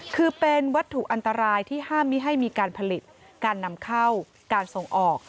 คือเป็นวัตถุอันตรายที่ห้ามไม่ให้มีการผลิตการนำเข้าการส่งออก